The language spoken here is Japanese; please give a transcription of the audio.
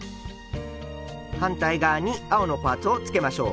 反対側に青のパーツをつけましょう。